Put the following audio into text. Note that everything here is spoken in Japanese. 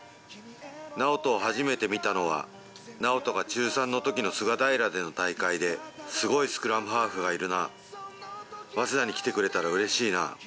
直人を初めて見たのは、直人が中３のときの菅平での大会で、すごいスクラムハーフがいるな、早稲田に来てくれたらうれしいな。